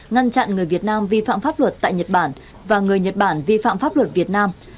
ngăn chặn người việt nam vi phạm pháp luật tại nhật bản và người nhật bản vi phạm pháp luật việt nam